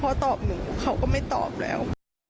พอตอบหนูเขาก็ไม่ตอบแล้ว